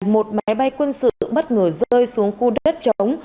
một máy bay quân sự bất ngờ rơi xuống khu đất chống